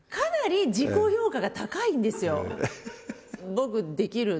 「僕できる。